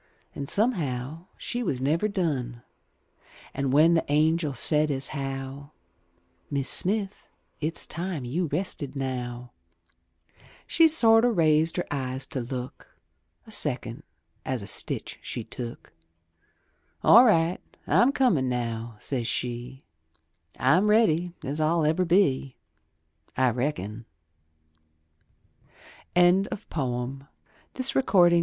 An' somehow she was never done; An' when the angel said, as how " Mis' Smith, it's time you rested now," She sorter raised her eyes to look A second, as a^ stitch she took; All right, I'm comin' now," says she, I'm ready as I'll ever be, I reckon," Albert Bigelow Paine.